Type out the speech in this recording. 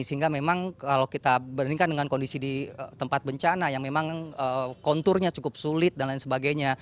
sehingga memang kalau kita bandingkan dengan kondisi di tempat bencana yang memang konturnya cukup sulit dan lain sebagainya